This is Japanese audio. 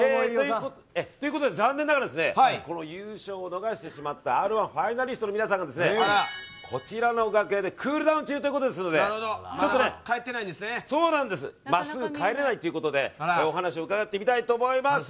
ということで残念ながら優勝を逃してしまったＲ−１ファイナリストの皆さんがこちらの楽屋でクールダウン中ということですので真っすぐ帰れないということでお話を伺ってみたいと思います。